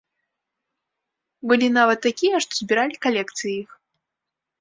Былі нават такія, што збіралі калекцыі іх.